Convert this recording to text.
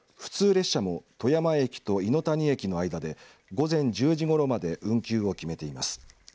列車も富山駅と猪谷駅の間で午前１０時ごろまで運休を決めています。